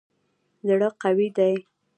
زړه قوي دی.